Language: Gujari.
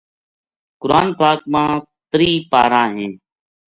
قرآن پاک ما تری پارہ ہیں۔